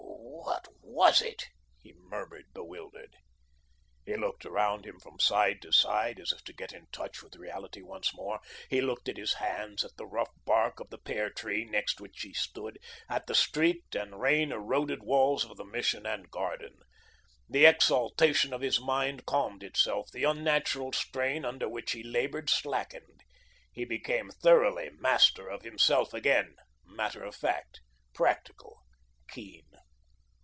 "What was it?" he murmured, bewildered. He looked around him from side to side, as if to get in touch with reality once more. He looked at his hands, at the rough bark of the pear tree next which he stood, at the streaked and rain eroded walls of the Mission and garden. The exaltation of his mind calmed itself; the unnatural strain under which he laboured slackened. He became thoroughly master of himself again, matter of fact, practical, keen.